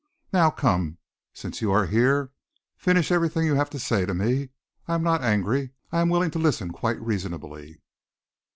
Now, come, since you are here, finish everything you have to say to me. I am not angry. I am willing to listen quite reasonably."